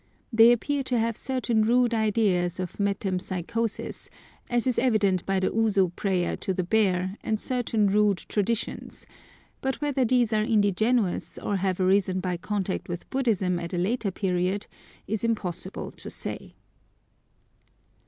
They appear to have certain rude ideas of metempsychosis, as is evidenced by the Usu prayer to the bear and certain rude traditions; but whether these are indigenous, or have arisen by contact with Buddhism at a later period, it is impossible to say.